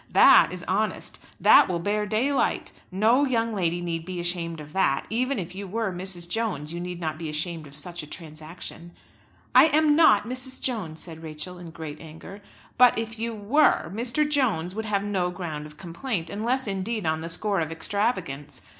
That is honest; that will bear daylight; no young lady need be ashamed of that; even if you were Mrs. Jones you need not be ashamed of such a transaction." "I am not Mrs. Jones," said Rachel in great anger. "But if you were, Mr. Jones would have no ground of complaint, unless indeed on the score of extravagance.